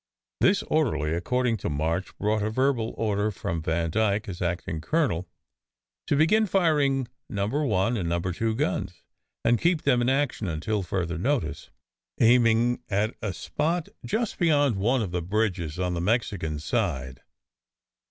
This orderly, according to March, brought a verbal order from Vandyke as acting colonel, to begin firing number one and number two guns, and keep them in action until further notice, aiming at a spot just beyond one of the bridges on the Mexican side.